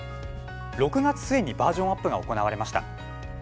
６月末にバージョンアップが行われました。